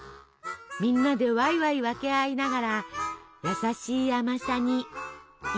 みんなでワイワイ分け合いながら優しい甘さに癒やされて。